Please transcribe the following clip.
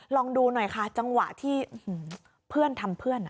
ลองดูหน่อยค่ะจังหวะที่เพื่อนทำเพื่อน